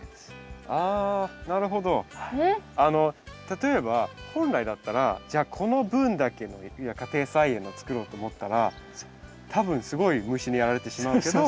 例えば本来だったらじゃあこの分だけ家庭菜園を作ろうと思ったら多分すごい虫にやられてしまうけど。